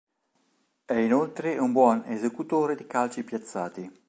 È inoltre un buon esecutore di calci piazzati.